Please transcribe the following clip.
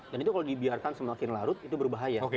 dan itu kalau dibiarkan semakin larut itu berbahaya menurut kami